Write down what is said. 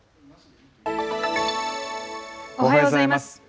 おはようございます。